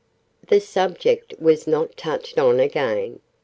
The subject was not touched on again.